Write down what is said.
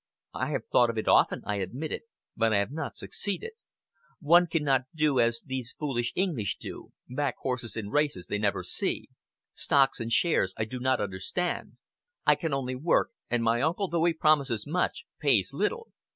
"I have thought of it often," I admitted, "but I have not succeeded. One cannot do as these foolish English do back horses in races they never see. Stocks and shares I do not understand. I can only work; and my uncle, though he promises much, pays little."